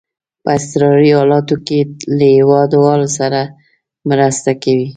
په اضطراري حالاتو کې له هیوادوالو سره مرسته کوي.